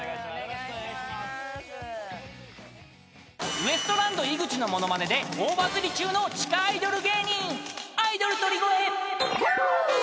［ウエストランド井口のモノマネで大バズり中の地下アイドル芸人アイドル鳥越］